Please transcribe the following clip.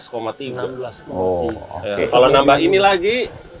kalau nambah ini lagi